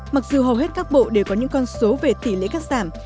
mặc dù hầu hết các bộ đều có những con số về tỷ lệ cắt giảm